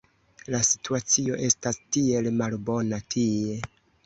la situacio estas tiel malbona tie